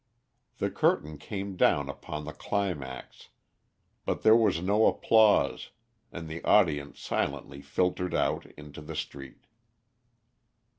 The curtain came down upon the climax, but there was no applause, and the audience silently filtered out into the street.